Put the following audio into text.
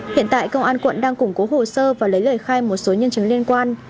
hiện tại công an quận đang củng cố hồ sơ và lấy lời khai một số nhân chứng liên quan